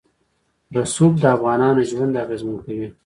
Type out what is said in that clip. رسوب د افغانانو ژوند اغېزمن کوي.